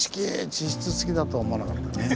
地質好きだとは思わなかったね。